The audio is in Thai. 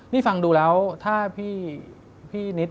นี่ฟังดูแล้วถ้าพี่นิด